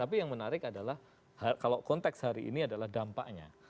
tapi yang menarik adalah kalau konteks hari ini adalah dampaknya